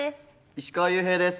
石川裕平です。